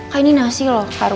kak ini nasi loh